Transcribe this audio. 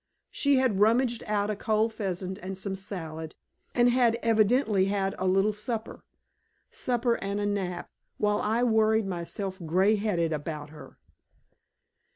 She had rummaged out a cold pheasant and some salad, and had evidently had a little supper. Supper and a nap, while I worried myself gray headed about her!